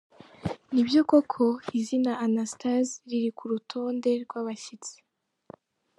Ni byo koko izina Anastase riri ku rutonde rw’abashyitsi.